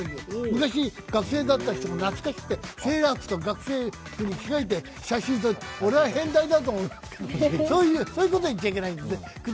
昔、学生だった人も懐かしくてセーラー服と学生服に着替えて写真を撮って、俺は変態だと思うけどそういうこと言っちゃいけないですね。